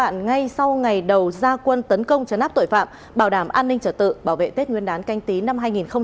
hạn ngay sau ngày đầu gia quân tấn công chấn áp tội phạm bảo đảm an ninh trật tự bảo vệ tết nguyên đán canh tí năm hai nghìn hai mươi